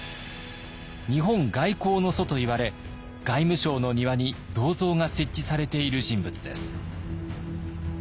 日本外交の祖といわれ外務省の庭に銅像が設置されている人物です。